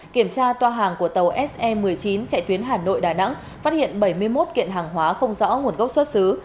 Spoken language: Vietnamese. kiểm tra toa hàng của tàu se một mươi chín chạy tuyến hà nội đà nẵng phát hiện bảy mươi một kiện hàng hóa không rõ nguồn gốc xuất xứ